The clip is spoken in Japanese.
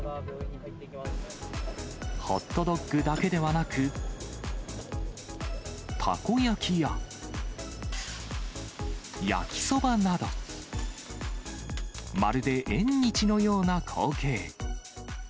ホットドッグだけでなく、たこ焼きや、焼きそばなど、まるで縁日のような光景。